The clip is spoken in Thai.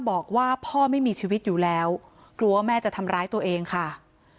บอกว่าพ่อไม่มีชีวิตอยู่แล้วกลัวว่าแม่จะทำร้ายตัวเองค่ะ